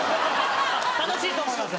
楽しいと思います